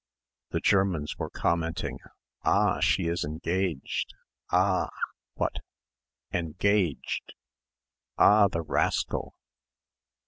The Germans were commenting, "Ah, she is engaged ah, what en gaged. Ah, the rascal!